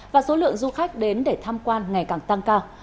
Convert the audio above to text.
và số lượng du khách đến để tham quan ngày càng tăng cao